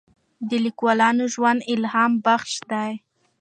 د لیکوالانو ژوند الهام بخش دی.